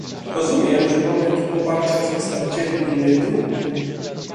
Rozumiem, że mamy tu poparcie przedstawicieli innym grup